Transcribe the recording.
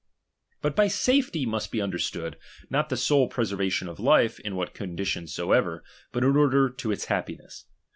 But hv safetit must be understood, not thei>?™fetyii~ sole preservation of life m what condition soever, but in order to its happiness.